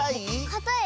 かたい。